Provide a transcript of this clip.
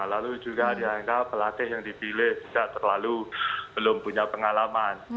lalu juga dianggap pelatih yang dipilih tidak terlalu belum punya pengalaman